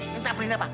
minta beliin apa